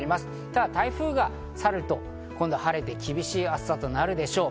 ただ、台風が去ると、今度は晴れて厳しい暑さとなるでしょう。